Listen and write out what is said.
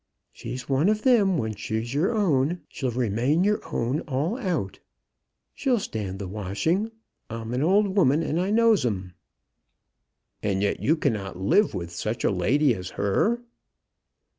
"She's one of them when she's your own she'll remain your own all out. She'll stand the washing. I'm an old woman, and I knows 'em." "And yet you cannot live with such a lady as her?"